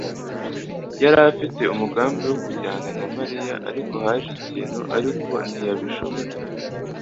yari afite umugambi wo kujyana na Mariya, ariko haje ikintu ariko ntiyabishobora.